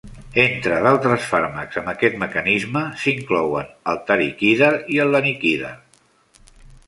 Entre d'altres fàrmacs amb aquest mecanisme s'inclouen el tariquidar i el laniquidar.